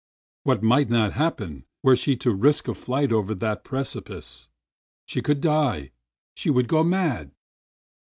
What might not happen were she to risk a flight over that precipice ! She would die, she would go mad